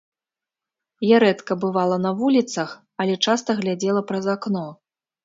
Я рэдка бывала на вуліцах, але часта глядзела праз акно.